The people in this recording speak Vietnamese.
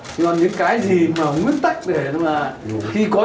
nhưng mà những cái gì mà nguyên tắc để nó là